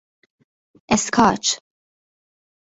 اسکاچ